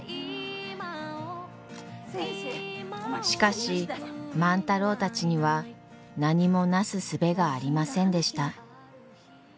しかし万太郎たちには何もなすすべがありませんでした。